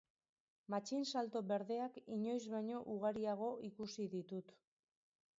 Matxinsalto berdeak inoiz baino ugariago ikusi ditut.